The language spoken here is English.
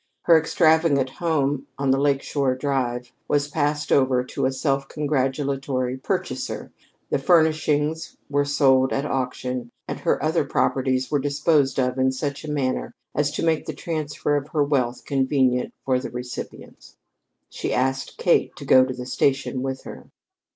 Her extravagant home on the Lake Shore Drive was passed over to a self congratulatory purchaser; the furnishings were sold at auction; and her other properties were disposed of in such a manner as to make the transfer of her wealth convenient for the recipients. She asked Kate to go to the station with her.